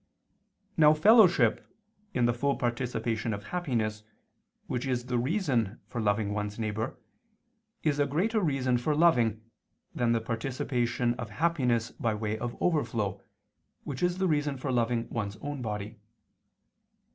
Now fellowship in the full participation of happiness which is the reason for loving one's neighbor, is a greater reason for loving, than the participation of happiness by way of overflow, which is the reason for loving one's own body.